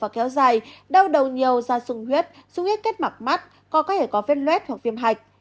kéo dài đau đầu nhiều da sung huyết sung huyết kết mặc mắt có có thể có vết luet hoặc viêm hạch